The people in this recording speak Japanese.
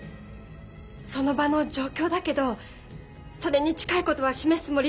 その場の状況だけどそれに近いことは示すつもり。